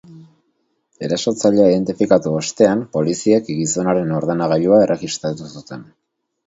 Erasotzailea identifikatu ostean, poliziek gizonaren ordenagailua erregistratu zuten.